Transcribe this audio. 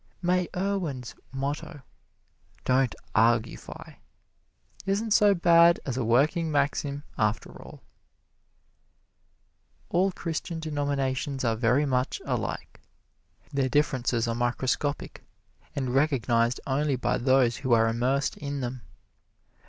May Irwin's motto, "Don't Argufy," isn't so bad as a working maxim, after all. All Christian denominations are very much alike. Their differences are microscopic, and recognized only by those who are immersed in them.